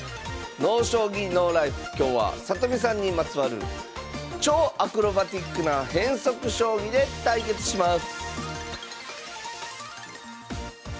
今日は里見さんにまつわる超アクロバティックな変則将棋で対決します